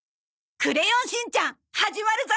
『クレヨンしんちゃん』始まるぞ。